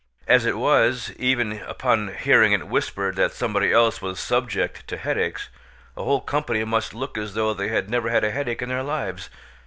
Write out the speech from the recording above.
As it was, even upon hearing it whispered that somebody else was subject to headaches, a whole company must look as though they had never had a headache in their lives.